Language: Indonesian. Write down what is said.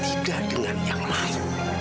tidak dengan yang lain